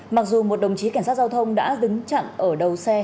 mặc dù một đồng chí cảnh sát giao thông đã đứng chặn ở đầu xe